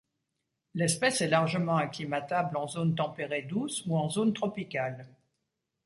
L'espèce est largement acclimatable en zone tempérée douce ou en zone tropicale.